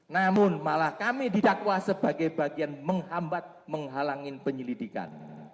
namun malah kami didakwa sebagai bagian menghambat menghalangkan